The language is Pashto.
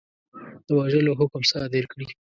د وژلو حکم صادر کړي.